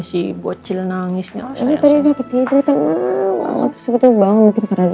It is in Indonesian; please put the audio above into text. sih bocil nangisnya tadi ketidakmau banget sebetulnya banget karena dia